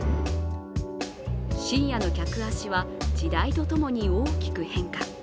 深夜の客足は時代とともに大きく変化。